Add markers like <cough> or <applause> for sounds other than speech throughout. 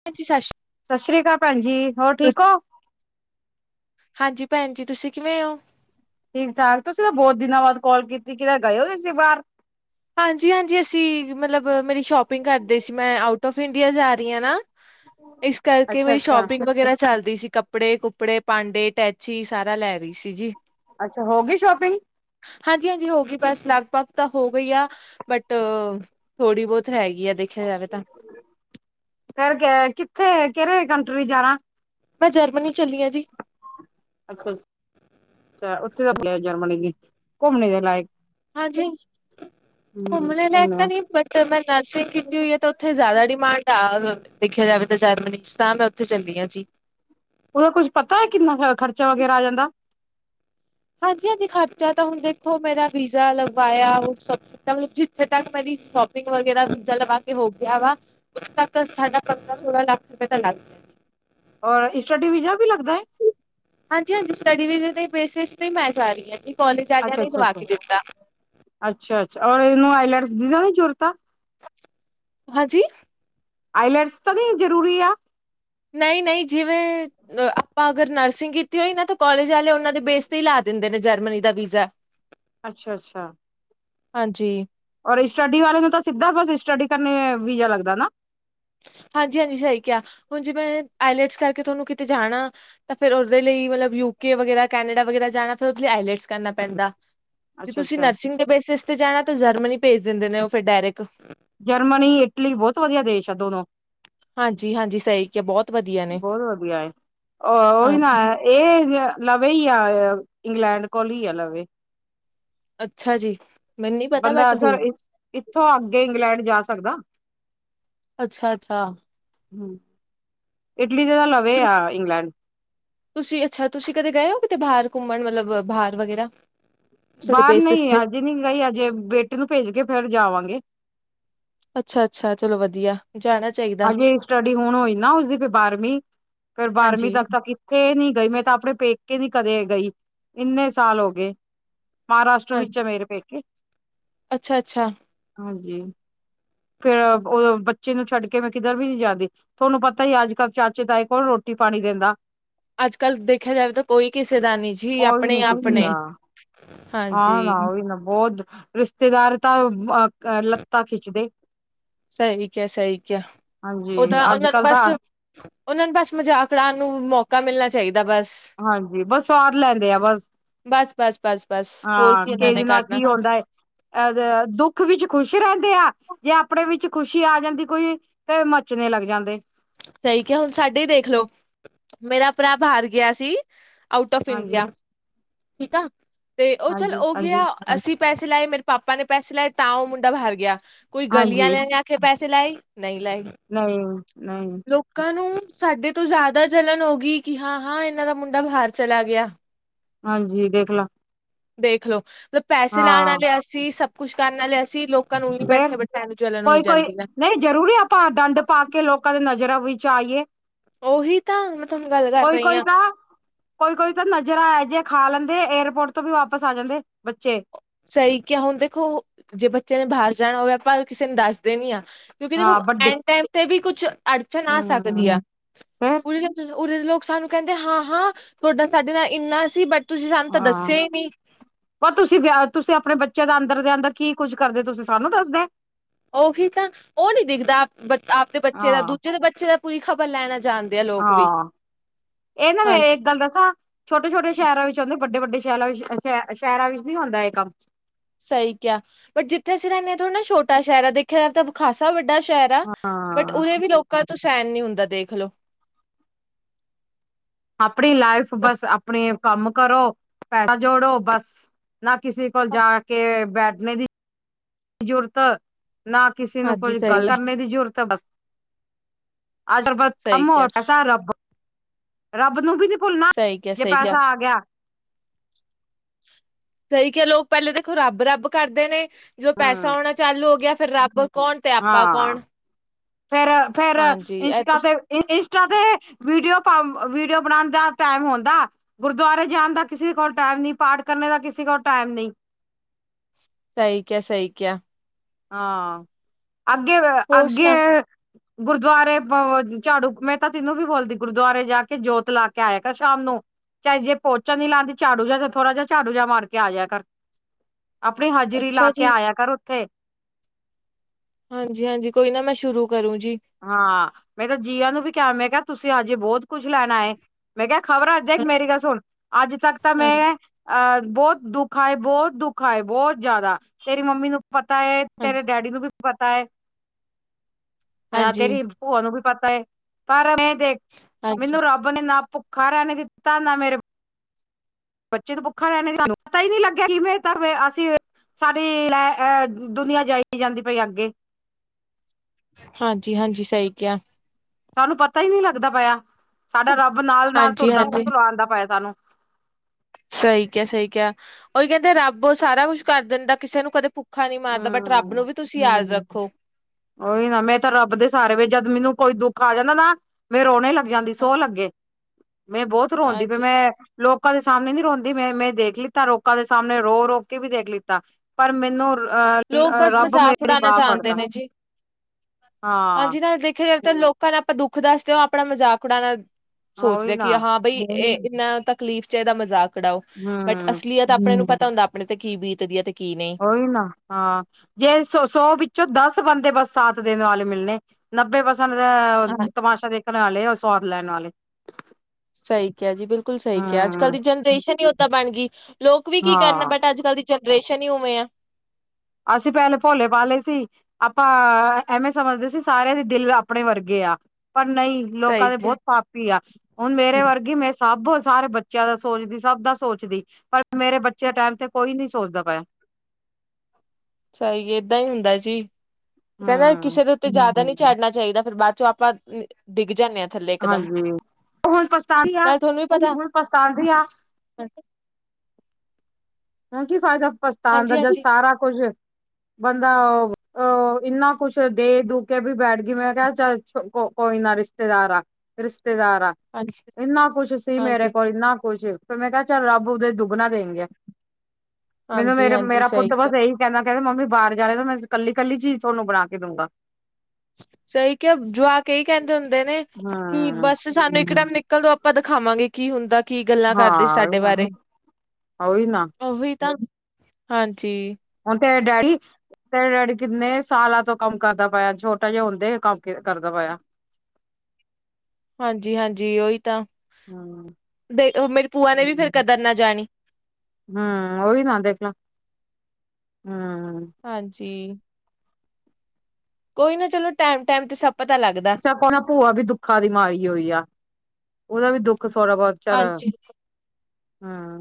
<inaudible> ਸਤਿ ਸ੍ਰੀ ਅਕਾਲ ਭੈਣ ਜੀ ਹੋਰ ਠੀਕ ਹੋ ਸ਼੍ਰੀ ਹਾਂਜੀ ਭੈਣ ਜੀ ਤੁਸੀਂ ਕਿਵੇਂ ਹੋ ਠੀਕ ਠਾਕ ਤੁਸੀਂ ਤਾਂ ਬਹੁਤ ਦਿਨਾਂ ਬਾਅਦ ਕਾਲ ਕੀਤੀ ਕਿਤੇ ਗਏ ਹੋ ਅਸੀਂ ਬਾਹਰ ਹਾਂਜੀ ਹਾਂਜੀ ਅਸੀਂ ਮਤਲਬ ਮੇਰੀ ਸ਼ੋਪਿੰਗ ਕਰਦੇ ਸੀ ਮੈਂ ਆਊਟ ਆਫ ਇੰਡੀਆ ਜਾ ਰਹੀ ਹਾਂ ਨਾ ਇਸ ਕਰਕੇ ਅੱਛਾ ਮੇਰੀ ਅੱਛਾ ਸ਼ੋਪਿੰਗ ਵਗੈਰਾ ਚੱਲਦੀ ਸੀ ਕੱਪ ਕੱਪੜੇ ਕੁਪੜੇ ਪਾਂਡੇ ਟੈਚੀ ਸਾਰਾ ਲੈ ਰਹੀ ਸੀ ਜੀ ਅੱਛਾ ਹੋ ਗਈ ਸ਼ੋਪਿੰਗ ਹਾਂਜੀ ਹਾਂਜੀ ਹੋ ਗਈ ਬਸ ਲਗਭਗ ਤਾਂ ਹੋ ਈ ਆ ਬਟ ਥੋੜ੍ਹੀ ਬਹੁਤ ਹੈ ਗਈ ਆ ਦੇਖਿਆ ਜਾਵੇ ਤਾਂ ਫਿਰ ਕਿੱਥੇ ਕਿਹੜੇ ਕੰਟਰੀ ਜਾਣਾ ਮੈਂ ਜਰਮਨੀ ਚ ਚੱਲੀ ਹਾਂ ਜੀ ਅੱਛਾ ਉੱਥੇ ਤਾਂ ਫੇਰ ਜਰਮਨੀ ਘੁੰਮਣ ਦੇ ਲਾਇਕ ਹਾਂਜੀ ਹ ਹਮ ਘੁੰਮਣ ਲਾਇਕ ਘੁੰਮਣੇ ਤਾਂ ਨੀ ਬਟ ਮੈਂ ਨਰਸਿੰਗ ਕੀਤੀ ਹੋਈ ਹੈ ਤਾਂ ਉੱਥੇ ਜ਼ਿਆਦਾ ਡਿਮਾਂਡ ਆ ਦੇਖਿਆ ਜਾਵੇ ਤਾਂ ਜਰਮਨੀ ਚ ਤਾਂ ਮੈਂ ਉੱਥੇ ਚੱਲਦੀ ਹਾਂ ਜੀ ਉਹਦਾ ਕੁੱਝ ਪਤਾ ਹੈ ਕਿੰਨਾ ਖਰਚਾ ਵਗੈਰਾ ਆ ਜਾਂਦਾ ਹਾਂਜੀ ਹਾਂਜੀ ਖਰਚਾ ਤਾਂ ਹੁਣ ਦੇਖੋ ਮੇਰਾ ਵੀਜ਼ਾ ਲਗਵਾਇਆ ਉਹ ਸਭ ਤਾਂ ਮਤਲਬ ਜਿੱਥੇ ਤੱਕ ਮੈਰੀ ਸ਼ੌਪਿੰਗ ਵਗੈਰਾ ਲਵਾ ਕੇ ਹੋ ਗਿਆ ਵਾ ਤਾਂ ਸਾਡਾ ਪੰਦਰਾਂ ਸੋਲਾ ਲੱਖ ਰੁਪ ਤਾਂ ਲਗਦਾ ਔਰ ਸਟਡੀ ਵਿਜ਼ਾ ਵੀ ਲੱਗਦਾ ਏ ਹਾਂਜੀ ਹਾਂਜੀ ਸਟੱਡੀ ਬੇਸਿਸ ਤੇ ਮੈਂ ਜਾ ਰਹੀ ਹਾਂ ਕਿ ਕਾਲਜ ਵਾਲਿਆਂ ਅੱਛਾ ਨੇ ਅੱਛਾ ਜਵਾ ਕੇ ਅੱਛਾ ਦਿੱਤਾ ਅੱਛਾ ਅੱਛਾ ਔਰ ਇਹਨੂੰ ਆਈਲਤਸ ਦੀ ਤਾਂ ਜਰੂਰਤ ਹਾਂਜੀ ਆਈਲੈਟਸ ਤਾਂ ਨੂੰ ਜ਼ਰੂਰੀ ਆ ਨਹੀਂ ਨਹੀਂ ਜਿਵੇਂ ਆਪਾਂ ਅਗਰ ਨਰਸਿੰਗ ਕੀਤੀ ਹੋਈ ਨਾ ਤਾਂ ਕੋਲਜ ਵਾਲੇ ਉਹਨਾਂ ਦੇ ਬੇਸ ਲਾ ਦਿੰਦੇ ਨੇ ਜਰਮਨੀ ਦਾ ਵੀਜ਼ਾ ਅੱਛਾ ਅੱਛਾ ਹਾਂਜੀ ਔਰ ਸਟੱਡੀ ਵਾਲੇ ਨੂੰ ਤਾਂ ਸਿੱਧ ਬਸ ਸਟੱਡੀ ਕਰਨ ਵੀਜ਼ਾ ਲੱਗਦਾ ਨਾ ਹਾਂਜੀ ਹਾਂਜੀ ਸਹੀ ਕਿਹਾ ਹੁਣ ਜਿਵੇ ਆਈਲੈਟਸ ਕਰਕੇ ਤੁਹਾਨੂੰ ਕਿਤੇ ਜਾਣਾ ਤੇ ਫੇਰ ਉਹਦੇ ਲਈ ਮਤਲਬ ਯੂਕੇ ਵਗੈਰਾ ਕੈਨੇਡਾ ਵਗੈਰਾ ਜਾਣਾ ਫਿਰ ਉਹਦੇ ਆਲਟਸ ਕਰਨਾ ਪੈਂਦਾ ਜੇ ਅੱਛਾ ਤੁਸੀਂ ਅੱਛਾ ਨਰਸਿੰਗ ਦੇ ਬੇਸਿਸ ਤੇ ਜਾਣਾ ਤਾਂ ਜਰਮਨੀ ਭੇਜ ਦਿੰਦੇ ਨੇ ਉਹ ਫਿਰ ਡਾਇਰੈਕਟ ਜਰਮਨੀ ਇਟਲੀ ਬਹੁਤ ਵਧੀਆ ਦੇਸ਼ ਆ ਦੋਨੋ ਹਾਂਜੀ-ਹਾਂਜੀ ਸਹੀ ਕਿਹਾ ਬਹੁਤ ਵਧੀਆ ਨੇ। ਬਹੁਤ ਵਧੀਆ ਉਹੀ ਨਾ ਹਾਂਜੀ, ਇਹ ਲਵੇ ਹੀ ਆ ਇੰਗਲੈਂਡ ਕੋਲ ਹੀ ਆ ਲਵੇ ਅੱਛਾ ਜੀ ਮੈਨੂੰ ਨੀ ਪਤਾ ਬੰਦਾ ਬਟ ਹੋ ਇੱਥੋਂ ਅੱਗੇ ਇੰਗਲੈਂਡ ਜਾ ਸਕਦਾ ਅੱਛਾ ਅੱਛਾ ਹਾਂ ਇਟਲੀ ਦੇ ਤਾਂ ਲਵੇ ਆ ਇੰਗਲੈਂਡ ਤੁਸੀਂ ਅੱਛਾ ਤੁਸੀਂ ਕਦੇ ਗਏ ਹੋ ਕਿਤੇ ਬਾਹਰ ਘੁੰਮਣ ਮਤਲਬ ਬਾਹਰ ਵਗੈਰਾ ਕਿਸੇ ਦੇ ਬਾਹਰ ਬੇਸਿਸ ਨਹੀਂ ਤੇ? ਅੱਜ ਨੀ ਗਹੀ ਅਜੇ ਬੇਟੇ ਨੂੰ ਭੇਜ ਕੇ ਫੇਰ ਜਾਵਾਂਗੇ ਅੱਛਾ ਅੱਛਾ ਚਲੋ ਵਧੀਆ ਜਾਣਾ ਚਾਹੀਦਾ ਹਜੇ ਸਟੱਡੀ ਹੁਣ ਹੋਈ ਨਾ ਉਸਦੀ ਫ ਬਾਰਵੀਂ ਫੇਰ ਬਾਰਵੀਂ ਤੱਕ ਹਾਂਜੀ-ਹਾਂਜੀ, ਤਾਂ ਥੇ ਨੀ ਗਈ ਮੈਂ ਤਾਂ ਆਪਣੇ ਪੇਕੇ ਨੀ ਕਦੇ ਗਈ ਇੰਨੇ ਸਾਲ ਹੋ ਗਏ ਮਹਾਰਾਸ਼ਟਰ ਵਿੱਚ ਆ ਮੇਰੇ ਪੇਕੇ ਅੱਛਾ-ਅੱਛਾ। ਹਾਂਜੀ ਫੇਰ ਉਹ ਬੱਚੇ ਨੂੰ ਛੱਡ ਕਿਵੇਂ ਕਿੱਧਰ ਵੀ ਨੀ ਜਾਂਦੀ ਤੁਹਾਨੂੰ ਪਤਾ ਹੀ ਅੱਜ ਕੱਲ੍ਹ ਚਾਚੇ ਤਾਏ ਕੋਲ ਰੋਟੀ ਪਾਣੀ ਦਿੰਦਾ ਅੱਜ ਕੱਲ੍ਹ ਦੇਖਿਆ ਜਾਵੇ ਤਾਂ ਕੋਈ ਕਿਸੇ ਦਾ ਨਹੀਂੀ ਸੀ ਉਹ ਵੀ ਆਪਣੇ ਨੀ ਕਿਸੇ ਆਪਣੇ ਦਾ ਹਾਂ ਨਾ ਉਹੀ ਨਾ ਬਹੁਤ ਰਿਸ਼ਤੇਦਾਰ ਤਾਂ ਲੱਤਾਂ ਖਿੱਚਦੇ ਸਹੀ ਕਿਹਾ ਸਹੀ ਕਿਹਾ ਹੈ ਹਾਂਜੀ ਉਹ ਤਾਂ ਅੱਜ ਉਹਨਾਂ ਨੂੰ ਕੱਲ ਤਾਂ ਬਸ ਉਹਨਾਂ ਨੂੰ ਬਸ ਮਜ਼ਾਕੜਾ ਨੂੰ ਮੌਕਾ ਮਿਲਣਾ ਚਾਹੀਦਾ ਬਸ ਹਾਂਜੀ ਬਸ ਸਵਾਦ ਲੈਂਦੇ ਆ ਬਸ ਬਸ ਬਸ ਬਸ ਬਸ ਹੋਰ ਕੀ ਇਹਨਾਂ ਨੇ ਕਰਨਾ ਅਹ ਦੁੱਖ ਵਿੱਚ ਖੁਸ਼ ਰਹਿੰਦੇ ਆ ਜੇ ਆਪਣੇ ਵਿੱਚ ਖੁਸ਼ੀ ਆ ਜਾਂਦੀ ਕੋਈ ਤੇ ਮੱਚਣੇ ਲੱਗ ਜਾਂਦੇ ਸਹੀ ਕਿਹਾ ਹੁਣ ਸਾਡੇ ਹੀ ਦੇਖਲਓ ਮੇਰਾ ਭਰਾ ਬਾਹਰ ਗਿਆ ਸੀ ਆਊਟ ਫ ਹਾਂਜੀ ਇੰਡੀਆ ਠੀਕ ਆ ਤੇ ਉਹ ਚੱਲ ਹਾਂਜੀ ਹੋ ਹਾਂਜੀ ਗਿਆ ਅਸੀਂ ਪੈਸੇ ਲਾਏ ਮੇਰੇ ਪਾਪਾ ਨੇ ਪੈਸੇ ਲਾਏ ਤਾਂ ਉਹ ਮੁੰਡਾ ਬਾਹਰ ਗਿਆ ਕੋਈ ਗਲੀਆਂ ਹਾਂਜੀ ਲੈ ਉਥੇ ਪੈਸੇ ਲਏ ਨਹੀਂ ਲਏ ਨਹੀਂ ਨਹੀਂ ਲੋਕਾਂ ਨੂੰ ਸਾਡੇ ਤੋਂ ਜ਼ਿਆਦਾ ਜਲਣ ਹੋ ਗਈ ਕਿ ਹਾਂ ਹਾਂ ਇਹਨਾਂ ਦਾ ਮੁੰਡਾ ਬਾਹਰ ਚਲਾ ਗਿਆ ਹਾਂਜੀ ਦੇਖ ਲ ਦੇਖਲੋ ਮਤਲਬ ਪੈਸੇ ਲਾਉਣ ਹਾਂ ਵਾਲੇ ਅਸੀਂ ਸਭ ਕੁੱਛ ਕਰਨ ਵਾਲੇ ਅਸੀਂ ਲੋਕ ਫੇਰ ਕੋਈ ਕੋਈ ਨਹੀਂ ਜਰੂਰੀ ਆਪਾਂ ਦੰਡ ਪਾ ਕੇ ਲੋਕ ਲੋਕਾਂ ਦੇ ਨਜ਼ਰਾਂ ਵਿੱਚ ਆਈਏ ਉਹੀ ਤਾਂ ਮੈਂ ਤੁਹਾਨੂੰ ਗੱਲ ਕਰ ਕੋਈ ਰਹੀ ਕੋਈ ਹਾਂ। ਤਾਂ ਕੋਈ ਕੋਈ ਤਾਂ ਨਜ਼ਰ ਜਿਹਾ ਖਾ ਲੈਂਦੇ ਏਅਰਪੋਰਟ ਤੋਂ ਵੀ ਵਾਪਸ ਆ ਜਾਂਦੇ ਬੱਚੇ ਸਹੀ ਕਿਹਾ ਹੁਣ ਦੇਖੋ ਜੇ ਬੱਚਿਆਂ ਨੇ ਬਾਹਰ ਜਾਣਾ ਹੋਵੇ ਆਪਾਂ ਕਿਸੇ ਨੂੰ ਦੱਸਦੇ ਨੀ ਆ ਕਿਉਂਕਿ ਹਾਂ ਦੇਖੋ ਵੱਡੇ ਐਂਡ ਟਾਈਮ ਤੇ ਵੀ ਕੁਛ ਅੜਚਨ ਆ ਸਕਦੀ ਹਮ ਆ ਫੇਰ ਪੂਰੀ ਦਿ ਉਰੇ ਦੇ ਲੋਕ ਸਾਨੂੰ ਕਹਿੰਦੇ ਹਾਂ ਹਾਂ ਤੁਹਾਡਾ ਸਾਡੇ ਨਾਲ ਇੰਨਾ ਸੀ ਬਟ ਤੁਸੀਂ ਸਾਨੂੰ ਤਾਂ ਹਾਂ ਦੱਸਿਆ ਹੀ ਨਹੀਂ ਪਰ ਤੁਸੀਂ ਵਿ ਤੁਸੀਂ ਆਪਣੇ ਬੱਚਿਆਂ ਦੇ ਅੰਦਰ ਦੇ ਅੰਦਰ ਕੀ ਕੁੱਝ ਕਰਦੇ ਤੁਸੀਂ ਸਾਨੂੰ ਦੱਸਦੇ ਉਹੀ ਤਾਂ ਉਹ ਨੀ ਦਿਖਦਾ ਆਪਦੇ ਬੱਚੇ ਦਾ ਹਾਂ ਦੂਜੇ ਦੇ ਬੱਚੇ ਦਾ ਪੂਰੀ ਖ਼ਬਰ ਲੈਣਾ ਜਾਣਦਾ ਹਾਂ ਇਹ ਨਾ ਮੈਂ ਹਾਂਜੀ ਇੱਕ ਗੱਲ ਦੱਸਾਂ ਛੋਟੇ ਛੋਟੇ ਸ਼ਹਿਰਾਂ ਵਿੱਚ ਆਉਂਦੇ ਵੱਡੇ ਵੱਡੇ ਸ਼ਹਿਰਾਂ ਸ਼ ਸ਼ਹਿਰਾਂ ਵਿੱਚ ਨਹੀ ਹੁੰਦਾ ਇਹ ਕੰਮ ਸਹੀ ਕਿਆ ਬ ਜਿੱਥੇ ਅਸੀਂ ਰਹਿੰਦੇ ਥੋੜ੍ਹਾ ਛੋਟ ਸ਼ਹਿਰ ਦੇ ਤਾਂ ਖਾਸਾ ਵੱਡਾ ਸ਼ਹਿਰ ਆ ਬਟ ਹਾਂ ਉਰੇ ਵੀ ਲੋਕਾਂ ਤੋਂ ਸਹਿਣ ਨੀ ਹੁੰਦਾ ਦੇਖ ਲੋ ਆਪਣੀ ਲਾਈਫ ਬਸ ਆਪਣੇ ਕੰਮ ਕਰੋ ਪੈਸਾ ਜੋੜੋ ਬਸ ਨਾ ਕਿਸੇ ਕੋਲ ਜਾ ਕੇ ਬੈਠਨ ਦੀ ਦੀ ਜ਼ਰੂਰਤ ਨਾ ਕਿਸੇ ਨੂੰ ਕੁੱਝ ਹਾਂਜੀ ਸਹੀ ਗਲਤ ਕਿਹਾ, ਕਰਨ ਦੀ ਜ਼ਰੂਰਤ ਬਸ ਬ ਸਹੀ ਤਮਾਰ ਕਿਹਾ ਰੱਬ ਨੂੰ ਵੀ ਨ ਭੁੱਲਣਾ ਸਹੀ ਕਿਹਾ ਜੇ ਸਹੀ ਕਿਹਾ ਪੈਸਾ ਆ ਗਿਆ ਸਹੀ ਕਿਹਾ ਲੋਕ ਪਹਿਲੇ ਦੇਖੋ ਰੱਬ ਰੱਬ ਕਰਦੇ ਨੇ ਜੋ ਪੈਸਾ ਹੂੰ ਆਉਣਾ ਚਾਲੂ ਹੋ ਗਿਆ ਫਿਰ ਰੱਬ ਕੌਣ ਤੇ ਆਪਾਂ ਹਾਂ ਕੌਣ ਫੇਰ ਫੇਰ ਹਾਂਜੀ ਇਹ ਇਸਸ਼ਕਾ ਤਾਂ ਤੇ ਇੰਸਟਾ ਤੇ ਵੀਡੀਓ ਪਾ ਵੀਡੀਓ ਬਣਾਉਣ ਦਾ ਟਾਈਮ ਹੁੰਦਾ ਗੁਰਦੁਆਰੇ ਜਾਣ ਦਾ ਕਿਸੇ ਕੋਲ ਟਾਈਮ ਨਹੀਂ ਪਾਠ ਕਰਨੇ ਦਾ ਕਿਸੇ ਕੋਲ ਟਾਈਮ ਨਹੀਂ ਸਹੀ ਕਿਆ ਸਹੀ ਕਿਆ ਹਾਂ ਅੱਗੇ ਹੋਰ ਅੱਗੇ ਸੁਣਾ ਗੁਰਦੁਆਰੇ ਝਾੜੂ ਮੈਂ ਤਾਂ ਤੈਨੂੰ ਵੀ ਬੋਲਦੀ ਗੁਰਦੁਆਰੇ ਜਾ ਕੇ ਜੋਤ ਲਾ ਕੇ ਆਇਆ ਕਰ ਸ਼ਾਮ ਨੂੰ ਚਾਹੇ ਪਹਚਣੀ ਲਾਂਦੀ ਝਾੂ ਜਾ ਤੇ ਥੋੜਾ ਜਿ ਝਾੜੂ ਜ ਜਾ ਮਾਰ ਆ ਜਾ ਕਰ ਆਪਣੀ ਹਾਜ਼ਰੀ ਲਾ ਅੱਛਾ ਕੇ ਜੀ ਆਇਆ ਕਰ ਉੱਥੇ ਹਾਂਜੀ ਹਾਂਜੀ ਕੋਈ ਨਾ ਮੈਂ ਸ਼ੁਰੂ ਕਰੂੰ ਜੀ ਹਾਂ ਮੈਂ ਤਾਂ ਜੀਆਂ ਨੂੰ ਵੀ ਕਿਹਾ ਮੈਂ ਕਿਹਾ ਤੁਸੀਂ ਹਜੇ ਬਹੁਤ ਕੁਝ ਲੈਣਾ ਹੈ ਮੈਂ ਕਿਹਾ ਖ਼ਬਰਾਂ ਦੇਖ ਮੇਰੀ ਗੱਲ ਸੁ ਹਣ ਅੱਜ ਤੱਕ ਤਾਂ ਹਾਂਜੀ ਮੈਂ ਅਹ ਬਹੁਤ ਦੁੱਖਏ ਬਹੁਤ ਦੁੱਖਏ ਬਹੁਤ ਜ਼ਿਆਦਾ ਤੇਰੀ ਮੰਮੀ ਨੂੰ ਪਤਾ ਹੈ ਤੇਰੇ ਹਾਂਜੀ, ਡੈਡੀ ਨੂੰ ਵੀ ਪਤਾ ਹੈ ਹ ਹਾਂਜੀ, ਤੇਰੀ ਭੂਆ ਨੂੰ ਵੀ ਪਤਾ ਹੈ ਪਰ ਮੈਂ ਦੇਖ ਹਾਂਜੀ, ਮੈਨੂੰ ਰੱਬ ਬ ਨੇ ਨਾ ਭੁੱਖਾ ਰਹਿ ਨੇ ਦਿੱਤਾ ਨਾ ਮੇਰੇ ਬੱਚੇ ਨੂੰ ਭੁੱਖਾ ਰਹਿਣੇ ਦੀ ਪਤਾ ਹੀ ਨਹੀ ਲੱਗਿਆ ਕਿਵੇਂ ਅਸੀਂ ਸਾਡੀ ਲੈ ਅਹ ਦੁਨੀਆਂ ਜਾਈ ਜਾਂਦੀ ਪਈ ਅੱਗੇ ਹਾਂਜੀ ਹਾਂਜੀ ਸਹੀ ਕਿਹਾ ਸਾਨੂੰ ਪਤਾ ਹੀ ਨਹੀ ਲੱਗਦਾ ਪਆ ਸਾਡਾ ਰੱਬ ਨਾਲ ਨਾਲ ਹਾਂਜੀ, ਤੁਰਦਾ ਹਾਂਜੀ ਤੁਰਵਾਉਣ ਦਾ ਪਾਇਆ ਸਾਨੂੰ ਸਹੀ ਕ ਸਹੀ ਕਿਹਾ ਹੈ ਉਹੀ ਕਹਿੰਦੇ ਰੱਬ ਸਾਰਾ ਕੁੱਛ ਕਰ ਦਿੰਦਾ ਕਿਸੇ ਨੂੰ ਕਦੇ ਔਖਾ ਨਹੀਂ ਮਾਰਦਾ ਬਟ ਰੱਬ ਨੂੰ ਵੀ ਤੁਸੀਂ ਯਾਦ ਰੱਖੋ ਉਓਹੀ ਨਾ ਮੈਂ ਤਾਂ ਰੱਬ ਦੇ ਸਾਰੇ ਵਜ ਜਦ ਮੈਨੂੰ ਕੋਈ ਦੁੱਖ ਆ ਜਾਂਦਾ ਨਾ ਮੈਂ ਰੋਣੇ ਲੱਗ ਜਾਂਦੀ ਸੋਹ ਲੱਗੇ ਮੈਂ ਬਹੁਤ ਰੋਦੀ ਪ ਹਾਂਜੀ ਮੈਂ ਲੋਕਾਂ ਦੇ ਸਾਹਮਣੇ ਨੀ ਰੋਂਦੀ ਮੈਂ ਮੈਂ ਦੇਖ ਲਿੱਤਾ ਲੋਕਾਂ ਦੇ ਸਾਹਮਣੇ ਰੋ ਰੋ ਕੇ ਵੀ ਦੇਖ ਲਿੱਤਾ ਪਰ ਮੈਨੂੰ ਲੋਕ ਅਹ ਬਸ ਰੱਬ ਮਜ਼ਾਕ ਮੇਰੀ ਉਡਾਣਾ ਬਾਂਹ ਚਾਹੁੰਦੇ ਫੜਦਾ ਨੇ ਜੀ ਹਾਂਜੀ ਹਾਂ ਨਾਲ ਦੇਖਿਆ ਜਾਵੇ ਤਾਂ ਲੋਕਾਂ ਨੇ ਆਪਾਂ ਦੁੱਖ ਦੱਸਦੇ ਹੋ ਆਪਣਾ ਮਜ਼ਾਕ ਉਡਾਉਣਾ ਉਹੀ ਸੋਚਦੇ ਕਿ ਨਾ ਹਾਂ ਬਈ ਇਹ ਇੰਨਾ ਤਕਲੀਫ਼ ਚ ਇਹਦਾ ਮਜ਼ਾਕ ਕਰਾਓ ਬਟ ਹਮ ਅਸਲੀ ਆਪਣੇ ਨੂੰ ਪਤਾ ਹੁੰਦਾ ਆਪਣੇ ਤੇ ਕੀ ਬੀਤਦੀ ਹੈ ਤੇ ਕੀ ਨਹੀਂ ਹੋਈ ਨਾ ਹਾਂ ਜੇ ਸੋ ਸੌ ਵਿੱਚੋਂ ਦਸ ਬੰਦੇ ਬਸ ਸਾਤ ਦੇਣ ਵਾਲ ਮਿਲਣੇ ਨੱਬੇ ਬਸ ਤਮਾਸ਼ਾ ਦੇਖਣ ਵਾਲੇ ਉਹ ਸਵਾਦ ਲੈਣ ਵਾਲੇ ਸਹੀ ਕਿਹਾ ਜੀ ਬਿਲਕੁਲ ਸਹੀ ਕਿਹਾ ਅੱਜ ਕੱਲ੍ਹ ਹੂੰ ਦੀ ਜਨਰੇਸ਼ਨ ਹੀ ਓਦਾਂ ਬਣ ਗਈ ਲੋਕ ਵੀ ਕੀ ਕਰਨ ਹਾਂ ਬਟ ਅੱਜ ਕੱਲ੍ਹ ਦੀ ਜਨਰੇਸ਼ਨ ਹੀ ਉਵੇਂ ਆ ਅਸੀਂ ਪਹਿਲੇ ਭੋਲੇ ਪਾਲਏ ਸੀ ਆਪਾਂ ਐਵੇਂ ਸਮਝਦੇ ਸੀ ਸਾਰਿਆਂ ਦੇ ਦਿਲ ਆਪਣੇ ਵਰਗੇ ਆ ਪਰ ਨਹੀਂ ਲੋਕਾਂ ਸਹੀ ਦੇ ਕਿਹਾ ਬਹੁਤ ਪਾਪੀ ਆ ਹੁਣ ਮੇਰੇ ਵਰਗੀ ਮੈਂ ਸਭ ਸਾਰੇ ਬੱਚਿਆਂ ਦਾ ਸੋਚਦੀ ਸਭ ਦਾ ਸੋਚਦੀ ਪਰ ਮੇਰੇ ਬੱਚੇ ਟਾਈਮ ਤੇ ਕੋਈ ਨੀ ਸੋਚਦਾ ਪਾਇਆ ਸਹੀ ਏਦਾਂ ਹੀ ਹੁੰਦਾ ਜੀ ਕਹਿੰਦਾ ਹੂੰ ਕਿਸੇ ਦੇ ਉੱਤੇ ਜ਼ਿਆਦਾ ਨਹੀਂ ਚੜਨਾ ਚਾਹੀਦਾ ਫਿਰ ਬਾਅ'ਚੋਂ ਆਪਾਂ ਡਿੱਗ ਜਾਂਨੇ ਆ ਥੱਲੇ ਇਕਦਮ, ਹਾਂਜੀ ਹੁਣ ਪਛਤਾਉਂਦੀ ਆ ਨਾਲੇ ਥੋਨੂੰ ਵੀ ਪਤਾ ਹੁਣ ਪਛਤਾਉਂਦੀ ਆ ਖਾੰਡ ਹੁਨ ਕੀ ਫ਼ਾਇਦਾ ਪਛਤਾਨ ਦਾ ਹਾਂਜੀ ਜਦ ਹਾਂਜੀ ਸਾਰਾ ਕੁਝ ਬੰਦਾ ਅ, ਇੰਨਾ ਕੁਛ ਦੇਦੁ ਕੇ ਵੀ ਬੈਠ ਕਿਵੇੈਂ ਕਿਹਾ ਚੱਲ ਕੋ ਕੋਈ ਨਾ ਰਿਸ਼ਤੇਦਾਰ ਆ ਰਿਸ਼ਤੇਦਾਰ ਆ ਹਾਂਜੀ ਇੰਨਾ ਕੁਛ ਸੀ ਮੇਰੇ ਹਾਂਜੀ ਕੋਲ ਇੰਨਾ ਕੁਛ ਫਿਰ ਮੈਂ ਕਿਹਾ ਚੱਲ ਰੱਬ ਉਹਦੇ ਦੁੱਗਣਾ ਦੇਣਗੇ ਮੈਨੂੰ ਹਾਂਜੀ ਮੇਰੇ ਹਾਂਜੀ ਮੇਰਾ ਪੁੱਤ ਸਹੀ ਕਿਹਾ ਬਸ ਇਹੀ ਕਹਿੰਦਾ ਕਹਿੰਦੇ ਮੰਮੀ ਬਾਹਰ ਜਾਣੇ ਤਾਂ ਮੈਂ ਕੱਲੀ ਕੱਲੀ ਚੀਜ਼ ਤੁਹਾਨੂੰ ਬਣਾ ਕੇ ਦਊਗਾ ਸਹੀ ਕਿਹਾ ਜਵਾਕਈ ਕਹਿੰਦੇ ਹੁੰਦੇ ਨੇ ਕਿ ਹੂੰ ਬਸ ਸਾਨੂੰ ਇੱਕ ਟਾਈਮ ਨ ਕਦੋ ਆਪਾਂ ਦਿਖਾਵਾਂਗੇ ਕੀ ਹੁੰਦਾ ਕੀ ਗੱਲਾਂ ਕਰਦੇ ਹਾਂ ਸਾਡੇ ਉਹੀ ਨਾ ਬਾਰੇ ਉਹੀ ਨਾ ਉਹੀ ਤਾਂ ਹਾਂਜੀ ਉਹ ਤੇ ਡੈਡੀ ਤੇਰੇ ਡੈਡੀ ਕਿੰਨੇ ਸਾਲਾਂ ਤੋਂ ਕੰਮ ਕਰਦਾ ਪਾਇਆ ਛੋਟਾ ਜਿਹਾ ਹੁੰਦੇ ਕੰਮ ਕਰਦਾ ਪਾਇਆ <unintelligible> ਹਾਂਜੀ ਹਾਂਜੀ ਉਓਹੀ ਤਾਂ ਹੂੰ ਦੇ ਮੇਰੀ ਪੂਆ ਨੇ ਵੀ ਫਿਰ ਕਦਰ ਨਾ ਜਾਣੀ ਹੂੰ, ਉਹੀ ਨਾ ਦੇਖਲਾ, ਹੂੰ। ਹਾਂਜੀ। ਕੋਈ ਨਾ ਚਲੋ ਟਾਇਮ-ਟਾਇਮ ਤੇ ਸਭ ਪਤਾ ਲੱਗਦਾ। ਦੇਖੋ ਨਾ ਭੂਆ ਵੀ ਨਾ ਦੁੱਖਾਂ ਦੀ ਮਾਰੀ ਹੋਈ ਆ, ਉਹਦਾ ਵੀ ਦੁੱਖ ਥੋੜਾ-ਬਹੋਤ ਹਾਂਜੀ।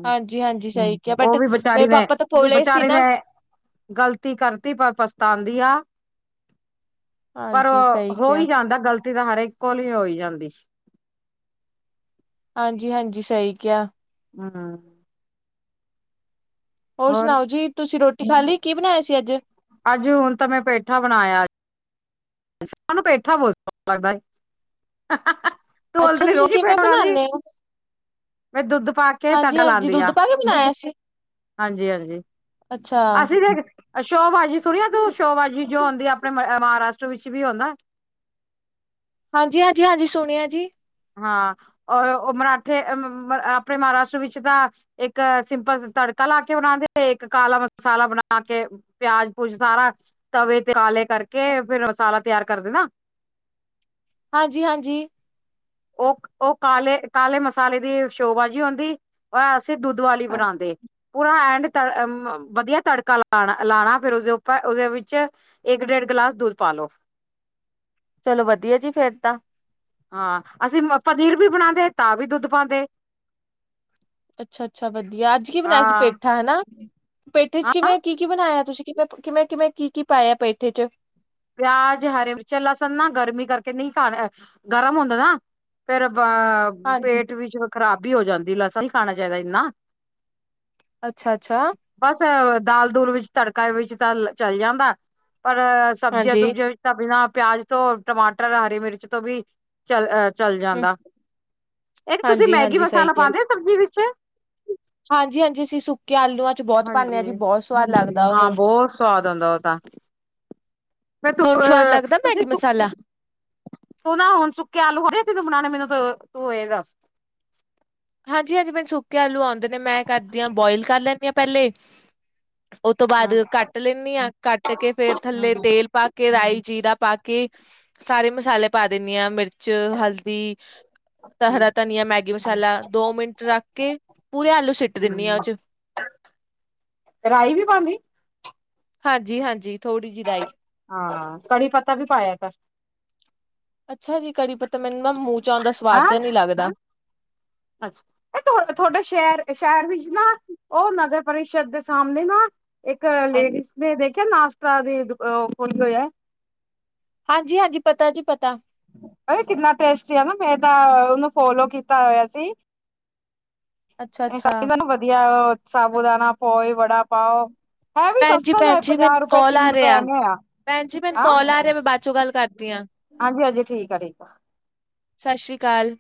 ਹਾਂਜੀ-ਹਾਂਜੀ ਸਹੀ ਬਟ, ਉਹ ਵੀ ਵਿਚਾਰੀ ਮੇਰੇ ਨੇ ਪਾਪਾ ਤਾ ਭੋਲੇ ਸੀ ਵਿਚਾਰੀ ਨੇ ਨਾ। ਗ਼ਲਤੀ ਕਰਤੀ, ਪਰ ਪਛਤਾਂਦੀ ਆ। ਪਰ ਹਾਂਜੀ ਸਹੀ ਹੋਈ ਕਿਹਾ, ਜਾਂਦਾ, ਗ਼ਲਤੀ ਤਾਂ ਹਰੇਕ ਕੋਲ ਹੀ ਹੋਈ ਜਾਂਦੀ। ਹਾਂਜੀ-ਹਾਂਜੀ, ਸਹੀ ਕਿਆ। ਹੂੰ ਹੋਰ ਸੁਣਾਓ ਜੀ, ਤੁਸੀਂ ਰੋਟੀ ਖਾਲੀ, ਕੀ ਬਣਾਇਆ ਸੀ ਅੱਜ? ਅੱਜ, ਹੁਣ ਤਾਂ ਮੈਂ ਪੇਠਾ ਬਣਾਇਆ। ਮਨੁੰ ਪੈਠਾ ਬਹੁਤ ਸਵਾਦ ਲੱਗਦਾ ਏ। ਅੱਛਾ ੋਲਣੀ ਰੋ ਤੁਸੀਂ ਕਿਵੇਂ ਪੇਠਾ ਖਾਂਦੀ ਬਣਾਨੇ ਓ? ਮੈਂ ਦੁੱਧ ਪਾਕੇ ਤਡਾ ਹਾਂਜੀ-ਹਾਂਜੀ ਲਾਂਦੀ ਆ। ਦੁੱਧ ਪਾ ਕੇ ਬਣਾਇਆ ਸੀ? ਹਾਂਜੀ-ਹਾਂਜੀ, ਅੱਛਾ ਅਸੀਂ ਦੇ ਸ਼ੋਬਾਜੀ ਸੁਣਿਆ ਤੂੰ, ਸ਼ੋਬਾਜੀ ਜੋ ਹੁੰਦੀ ਆਪਣੇ ਮਹਾਰਾਸ਼ਟਰ ਵਿੱਚ ਵੀ ਓਨਾ? ਹਾਂਜੀ-ਹਾਂਜੀ, ਹਾਂਜੀ ਸੁਣਿਆ ਜੀ। ਹਾਂ, ਉਹ ਉਹ ਮਰਾਠੇ ਅ, ਆਪਣੇ ਮਹਾਰਾਸ਼ਟਰ ਵਿੱਚ ਤਾਂ ਇੱਕ ਸਿੰਪਲ ਤੜਕਾ ਲਾਕੇ ਬਣਾਂਦੇ, ਇੱਕ ਕਾਲਾ ਮਸਾਲਾ ਬਣਾਕੇ ਪਿਆਜ-ਪੂਜ ਸਾਰਾ, ਤਵੇ ਤੇ ਕਾਲੇ ਕਰਕੇ ਫਿਰ ਮਸਾਲਾ ਤਿਆਰ ਕਰਦੇ ਨਾ। ਹਾਂਜੀ-ਹਾਂਜੀ। ਉਹ, ਉਹ ਕਾਲੇ, ਕਾਲੇ ਮਸਾਲੇ ਦੀ ਸ਼ੋਬਾਜੀ ਹੋਂਦੀ ਸੀ ਦੁੱਧ ਵਾਲੀ ਹਾਂਜੀ ਬਣਾਂਦੇ। ਪੂਰਾ ਐਂਣ ਤ, ਵਧੀਆ ਤੜਕਾ ਲਾਣਾ, ਲਾਣਾ ਫੇਰ ਉਸਦੇ ਉੱਪਰ, ਉਹਦੇ ਵਿੱਚ। ਇੱਕ-ਡੇਢ ਗਿਲਾਸ ਦੁੱਧ ਪਾਲੋ। ਚਲੋ ਵਧੀਆ ਜੀ ਫੇਰ ਤਾਂ। ਹਾਂ, ਅਸੀਂ ਪਨੀਰ ਵੀ ਬਣਾਂਦੇ ਤਾਂ ਵੀ ਦੁਧ ਪਾਂਦੇ। ਅੱਛਾ-ਅੱਛਾ ਵਧੀਆ, ਅੱਜ ਕੀ ਬਣਾਇਆ ਸੀ ਹਾਂ ਪੇਠਾ ਹਨਾ, ਪੇਠੇ'ਚ ਹਾਂ ਕਿਵੇਂ, ਕੀ-ਕੀ ਬਣਾਇਆ ਤੁਸੀ। ਕਿਵੇਂ, ਕਿਵੇਂ, ਕਿਵੇਂ ਕੀ-ਕੀ ਪਾਇਆ ਪੈਠੇ'ਚ। ਪਿਆਜ ਹਰੇ ਵਿੱਚ ਲਸਣ ਨਾ ਗਰਮੀ ਕਰਕੇ ਨਹੀਂ ਖਾਣਾ, ਗਰਮ ਹੋਂਦਾ ਨਾ। ਫੇਰ ਆਪਾਂ ਹਾਂਜੀ ਪੇਟ ਵਿੱਚ ਖ਼ਰਾਬੀ ਹੋ ਜਾਂਦੀ‌ ਲਸਣ ਖਾਣਾ ਚਾਹੀਦਾ ਇੰਨਾ। ਅੱਛਾ-ਅੱਛਾ। ਬਸ ਦਾਲ-ਦੂਲ ਵਿੱਚ ਤੜਕਾ ਵਿੱਚ ਤਾਂ ਚਲ ਜਾਂਦਾ, ਪਰ ਸਬਜ਼ੀਆਂ- ਹਾਂਜੀ ਸੁਬਜ਼ੀਆ ਤਾਂ ਬਿਨਾਂ ਪਿਆਜ ਤੋਂ ਟਮਾਟਰ, ਹਰੀ ਮਿਰਚ ਤੋਂ ਵੀ ਚਲਹ ਚਲ ਹੂੰ ਜਾਂਦਾ। ਇਹ ਤੁਸੀਂ ਹਾਂਜੀ ਮੈਗੀ ਹਾਂਜੀ ਸਹੀ ਮਸਾਲਾ ਕਿਹਾ ਪਾਂਦੇ ਹੋ ਸਬਜ਼ੀ ਵਿੱਚ। ਹਾਂਜੀ ਹਾਂਜੀ ਅਸੀਂ ਸੁੱਕੇ ਆਲੂਆਂ ਚ ਬਹੁਤ ਪਾਉਂਦੇ ਹਾਂ ਜੀ ਹਾਂਜੀ ਬਹੁਤ ਸਵਾਦ ਲੱਗਦਾ ਹਾਂ ਉਹ। ਬਹੁਤ ਸਵਾਦ ਹੁੰਦਾ ਉਹ ਤਾਂ। ਮੈਂ ਤੁਹਾਨੂੰ ਤੂੰਹ, ਸਵਾਦ ਅ ਲੱਗਦਾ ਤੁਸੀ ਮੈਗੀ ਮਸਾਲਾ ਤੂੰ ਨਾ ਹੁਣ ਸੁੱਕੇ ਆਲੂ ਖ ਤੀਨੂੰ ਬਣਾਣੇ, ਮੈਨੂੰ ਤੂੰ ਇਹ ਦੱਸ। ਹਾਂਜੀ-ਹਾਂਜੀ, ਮੈਨ ਸੁੱਕੇ ਆਲੂ ਆਉਂਦੇ ਨੇ, ਮੈਂ ਕਰਦੀ ਹਾਂ ਬੌਈਲ ਕਰ ਲੈਂਨੀ ਹਾਂ ਪਹਿਲੇ। ਉਹ ਤੋਂ ਬਾਅਦ ਹਮ ਕੱਟ ਲੇਨੀਂ ਆਂ, ਕੱਟਕੇ ਫੇਰ ਹਮ ਥੱਲੇ ਤੇਲ ਪਾਕੇ ਰਾਈ, ਜੀਰਾ ਪਾਕੇ ਸਾਰੇ ਮਸਾਲੇ ਪਾ ਦਿੰਨੀ ਆਂ, ਮਿਰਚ ਚ ਹਲਦੀ, ਹਰਾ ਹਮ ਧਨੀਆ, ਮੈਗੀ ਮਸਾਲਾ ਦੋ ਮਿੰਟ ਰੱਖਕੇ, ਪੂਰੇ ਆਲੂ ਸਿੱਟ ਦਿੰਨਾ ਆਂ, ਹਮ ਉਹ'ਚ। ਰਾਈ ਵੀ ਪਾਂਦੀ? ਹਾਂਜੀ-ਹਾਂਜੀ, ਥੋੜੀ ਜੀ ਰਾਈ। ਹਾਂ, ਕੜੀ ਪੱਤਾ ਵੀ ਪਾਇਆ ਕਰ। ਅੱਛਾ ਜੀ ਕੜੀ ਪੱਤਾ ਮੈਨੂੰ ਨਾ ਮੂੰਹ ਚ ਆਉਣ ਦਾ ਸਵਾਦ ਜਾ ਨੀ ਲੱਗਦਾ। ਅੱਛ ਇਹ ਤੁਹਾਡਾ ਸ਼ਹਿਰ, ਸ਼ਹਿਰ ਵਿੱਚ ਨਾ ਉਹ ਨਗਰ ਪਰਿਸ਼ਦ ਦੇ ਸਾਮਣੇ ਨਾ ਇੱਕ ਲੇਡੀਜ਼ ਨੇ ਦੇਖਿਆ ਨਾਸ਼ਤਾ ਦੀ ਦੁ ਉਹ ਖੋਲਿਆ ਹੋਈਆ। ਹਾਂਜੀ-ਹਾਂਜੀ ਪਤਾ ਜੀ ਪਤਾ। ਕਿੰਨਾ ਟੇਸਟੀ ਆਨਾ ਮੈਂ ਤਾਂ ਉਹਨੂੰ ਫੋਲੋ ਕੀਤਾ ਹੋਇਆ ਸੀ। ਅੱਛਾ-ਅੱਛਾ ਸਾਬਦਾਨ ਵਧੀਆ ਸਾਬੂਦਾਨਾ, ਪੋਹੇ, ਵੜਾ ਪਾਓ। ਹੈ ਵੀ ਭੈਣ ਜੀ ਸਸਤਾ ਭੈਣ ਜਾ ਜੀ ਮੈਨੂੰ ਪੰਜਾਹ ਰੁਪਏ ਕਾਲ ਤੀਹ ਆ ਰੁਪਏ ਰਿਹਾ ਐਵੇਂ ਆ ਭੈਣ ਜੀ ਮੈਨੂੰ ਕਾਲ ਆ ਰਿਹਾ ਮੈਂ ਬਾਦ ਚੋਂ ਗੱਲ ਕਰਦੀ ਹਾਂ। ਹਾਂਜੀ-ਹਾਂਜੀ, ਠੀਕ ਆ ਠੀਕ ਆ। ਸਸ ਸ਼੍ਰੀ ਕਾਲ।